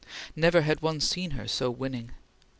Never had one seen her so winning.